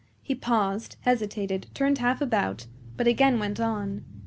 He paused, hesitated, turned half about, but again went on.